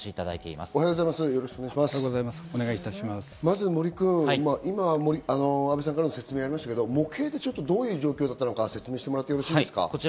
まず森君、今、阿部さんからの説明ありましたけれど模型でちょっとどういう状況だったのか説明してもらってよろしいですか。